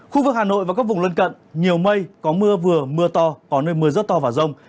khu vực hà nội và các vùng lân cận nhiều mây có mưa vừa mưa to có nơi mưa rất to và rông